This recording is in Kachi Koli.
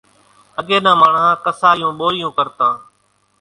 اڳيَ نان ماڻۿان ڪسارِيوُن ٻورِيون ڪرتان۔